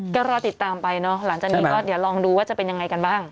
ก็รอติดตามไปเนอะหลังจากนี้ก็เดี๋ยวลองดูว่าจะเป็นยังไงกันบ้าง